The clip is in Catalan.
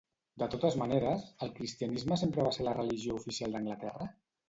De totes maneres, el cristianisme sempre va ser la religió oficial d'Anglaterra?